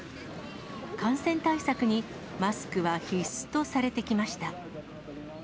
感染対策にマスクは必須とされてきました。